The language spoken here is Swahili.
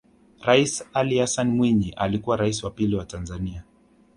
Rais Ali Hassan Mwinyi alikuwa Rais wa pili wa Tanzania